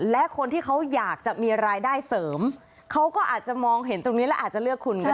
และคนที่เขาอยากจะมีรายได้เสริมเขาก็อาจจะมองเห็นตรงนี้แล้วอาจจะเลือกคุณก็ได้